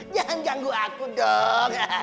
jangan ganggu aku dong